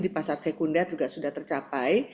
di pasar sekunder juga sudah tercapai